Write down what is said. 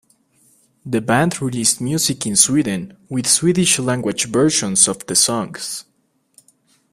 The band released music in Sweden with Swedish language versions of the songs.